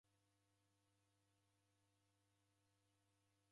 Dekanya kichuku.